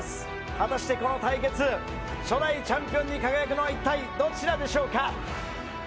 果たして、この対決初代チャンピオンに輝くのは一体どちらでしょうか？